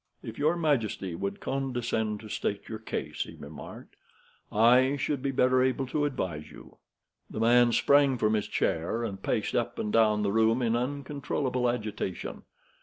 "If your majesty would condescend to state your case," he remarked, "I should be better able to advise you." The man sprung from his chair, and paced up and down the room in uncontrollable agitation.